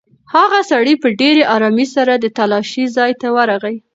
هغه سړی په ډېرې ارامۍ سره د تالاشۍ ځای ته ورغی.